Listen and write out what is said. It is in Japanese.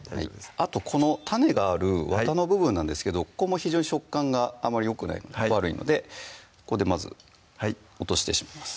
あとこの種があるわたの部分なんですけどここも非常に食感があまりよくない悪いのでここでまず落としてしまいます